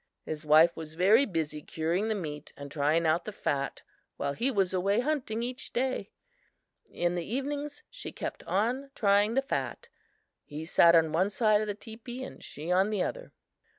His wife was very busy curing the meat and trying out the fat while he was away hunting each day. In the evenings she kept on trying the fat. He sat on one side of the teepee and she on the other.